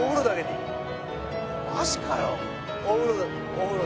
お風呂。